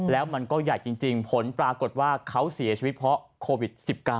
แล้วมันก็ใหญ่จริงผลปรากฏว่าเขาเสียชีวิตเพราะโควิด๑๙